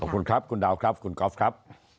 ขอบคุณครับคุณดาวครับคุณก๊อฟครับ